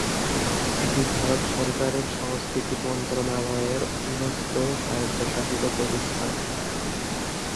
এটি ভারত সরকারের সংস্কৃতি মন্ত্রণালয়ের অধীনস্থ স্বায়ত্তশাসিত প্রতিষ্ঠান।